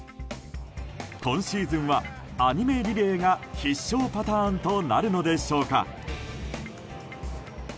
今シーズンはアニメリレーが必勝パターンとなるのでしょうか。